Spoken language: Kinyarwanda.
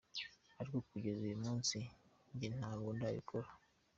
Ariko kugeza uyu munsi njye ntabwo ndabibona.